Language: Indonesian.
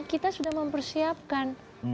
kita sudah mempersiapkan